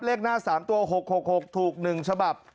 เลขหน้า๓ตัว๖๖๖ถูก๑ฉบับ